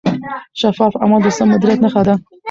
شفاف عمل د سم مدیریت نښه ده.